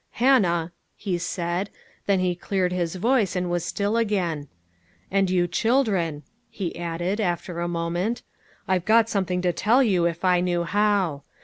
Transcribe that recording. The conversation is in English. " Hannah," he said, then he cleared his voice, and was still again, " and you children," he added, after a moment, " I've got something to tell you if I knew how.